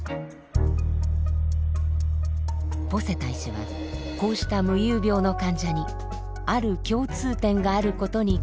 ポセタ医師はこうした夢遊病の患者にある共通点があることに気付きました。